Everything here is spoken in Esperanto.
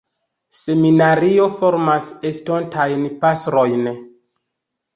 Seminario formas estontajn pastrojn.